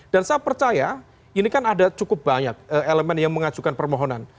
dan saya percaya ini kan ada cukup banyak elemen yang mengajukan permohonan